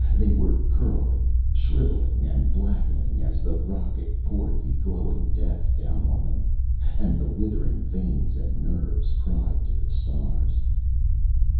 They were curling, shriveling and blackening as the rocket poured the glowing death down on them, and the withering veins and nerves cried to the stars.